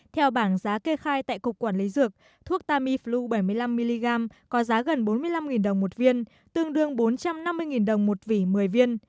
theo bảng giá kê khai tại cục quản lý dược thuốc tamiflu bảy mươi năm mg có giá gần bốn mươi năm đồng một viên tương đương bốn trăm năm mươi đồng một vỉ một mươi viên